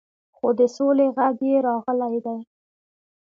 خو د سولې غږ یې راغلی دی.